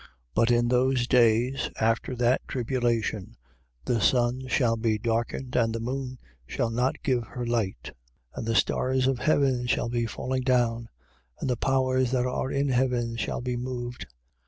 But in those days, after that tribulation, the sun shall be darkened and the moon shall not give her light. 13:25. And the stars of heaven shall be falling down and the powers that are in heaven shall be moved. 13:26.